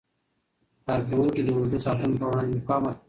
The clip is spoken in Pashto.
کارکوونکي د اوږدو ساعتونو په وړاندې مقاومت کوي.